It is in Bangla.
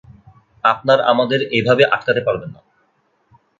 আপনার আমাদের এভাবে আটকাতে পারেন না।